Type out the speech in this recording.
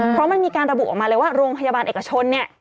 เพราะมันมีการระบุออกมาเลยว่าโรงพยาบาลเอกชนเนี่ย